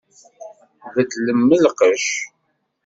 Beddlem lqecc!